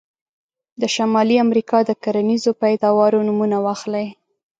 د شمالي امریکا د کرنیزو پیداوارو نومونه واخلئ.